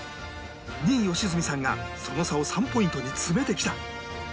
２位良純さんがその差を３ポイントに詰めてきた